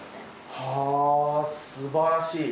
はー、すばらしい。